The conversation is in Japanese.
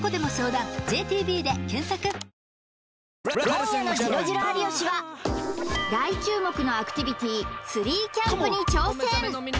今夜の「ジロジロ有吉」は大注目のアクティビティツリーキャンプに挑戦